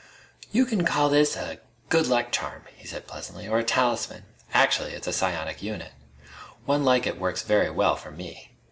"You can call this a good luck charm," he said pleasantly, "or a talisman. Actually it's a psionic unit. One like it works very well, for me.